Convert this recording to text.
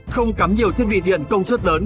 không cắm nhiều thiết bị điện công suất lớn